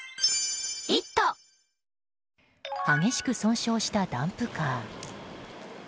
激しく損傷したダンプカー。